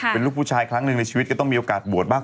เป็นลูกผู้ชายหนึ่งในชีวิตคงมีโอกาสบวชบ้าง